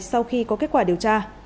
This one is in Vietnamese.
sau khi có kết quả điều tra